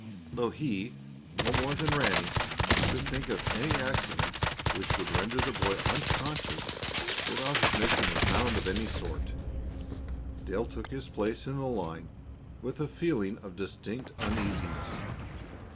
Though he, no more than Ranny, could think of any accident which would render the boy unconscious without his making a sound of any sort, Dale took his place in the line with a feeling of distinct uneasiness.